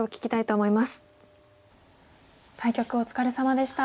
対局お疲れさまでした。